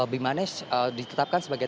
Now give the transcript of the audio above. bimanes ditetapkan sebagai